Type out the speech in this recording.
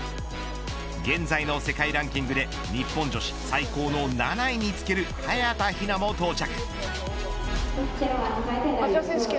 現在の世界ランキングで日本女子最高の７位につける早田ひなも到着。